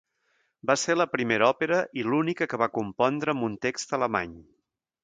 Va ser la seva primera òpera i l'única que va compondre amb un text alemany.